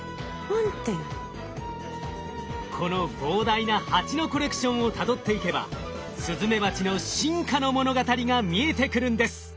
この膨大なハチのコレクションをたどっていけばスズメバチの進化の物語が見えてくるんです。